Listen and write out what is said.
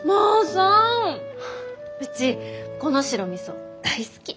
うちこの白みそ大好き。